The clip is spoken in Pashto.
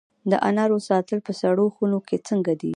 د انارو ساتل په سړو خونو کې څنګه دي؟